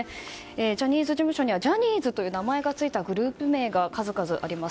ジャニーズ事務所にはジャニーズという名前の付いたグループ名が数々あります。